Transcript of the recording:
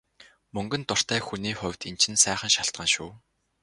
Мөнгөнд дуртай хүний хувьд энэ чинь сайхан шалтгаан шүү.